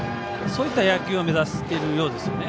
そういった野球を目指しているそうですね。